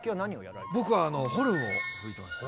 僕はホルンを吹いてました。